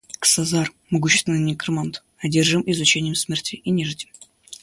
Ксазар, могущественный некромант, одержим изучением смерти и нежити.